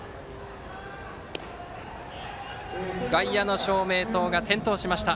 外野の照明塔が点灯しました。